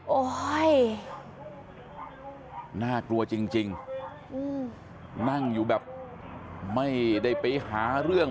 โอ้โหน่ากลัวจริงนั่งอยู่แบบไม่ได้ไปหาเรื่อง